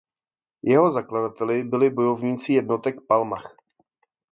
Jeho zakladateli byli bojovníci jednotek Palmach.